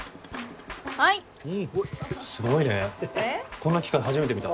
こんな機械初めて見た。